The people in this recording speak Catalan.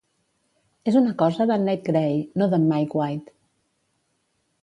És una cosa d'en Nate Gray, no d'en Mike White.